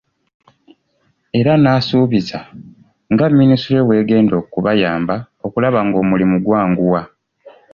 Era n'asuubiza nga minisitule ye bw'egenda okubayamba okulaba ng'omulimu gwanguwa.